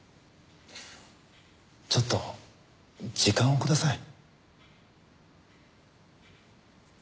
ちょっと時間をください。